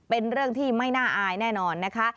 เป็นเรื่องที่ไม่น่าอายแน่นอนนะคะ